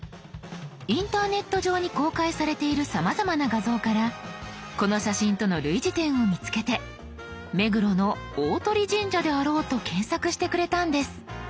インターネット上に公開されているさまざまな画像からこの写真との類似点を見つけて目黒の大鳥神社であろうと検索してくれたんです。